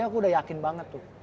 aku udah yakin banget tuh